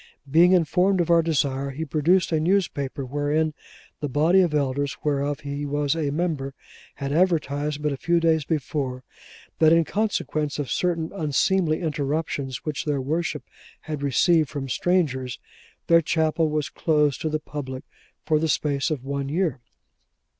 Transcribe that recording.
Being informed of our desire, he produced a newspaper wherein the body of elders, whereof he was a member, had advertised but a few days before, that in consequence of certain unseemly interruptions which their worship had received from strangers, their chapel was closed to the public for the space of one year.